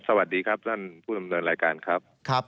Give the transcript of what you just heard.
สวัสดีครับพ่อด้านผู้ดำเนินรายการ